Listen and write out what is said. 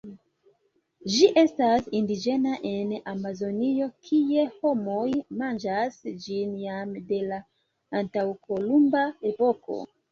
Ĝi estas indiĝena en Amazonio, kie homoj manĝas ĝin jam de la antaŭkolumba epoko.